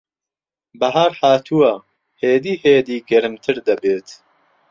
بەھار ھاتووە. ھێدی ھێدی گەرمتر دەبێت.